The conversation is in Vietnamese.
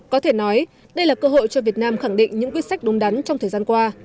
có thể nói đây là cơ hội cho việt nam khẳng định những quyết sách đúng đắn trong thời gian qua